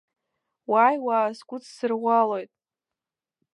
Уааи, уаасгәдсырӷәӷәалоит.